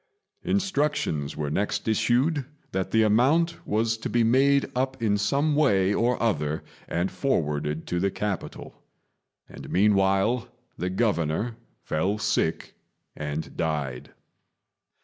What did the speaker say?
Instructions were next issued that the amount was to be made up in some way or other and forwarded to the capital; and meanwhile the Governor fell sick and died.